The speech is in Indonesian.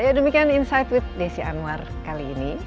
ya demikian insight with desi anwar kali ini